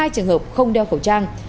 hai trường hợp không đeo khẩu trang